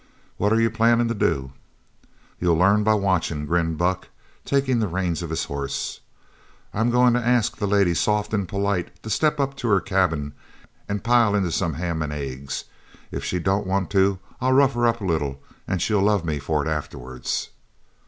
What are you plannin' to do?" "You'll learn by watchin'," grinned Buck, taking the reins of his horse. "I'm goin' to ask the lady soft an' polite to step up to her cabin an' pile into some ham an' eggs. If she don't want to I'll rough her up a little, an' she'll love me for it afterwards!"